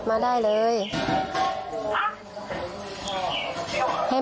อยู่ใกล้อยู่แหละ